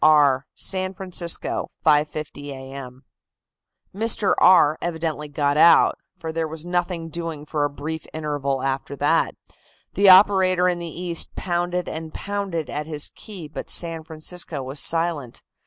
"R., San Francisco, 5.50 A. M." "Mr. R." evidently got out, for there was nothing doing for a brief interval after that. The operator in the East pounded and pounded at his key, but San Francisco was silent.